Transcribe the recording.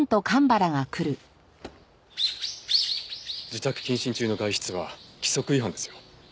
自宅謹慎中の外出は規則違反ですよ。